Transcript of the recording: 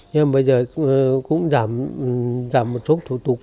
nhưng bây giờ cũng giảm một số thủ tục